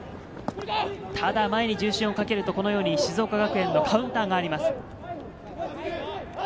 ただ前に重心をかけると静岡学園のカウンターがあります。